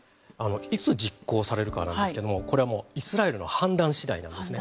いつ実行されるかなんですけどもこれはもうイスラエルの判断次第なんですね。